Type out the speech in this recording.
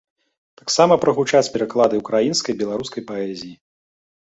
Таксама прагучаць пераклады ўкраінскай і беларускай паэзіі.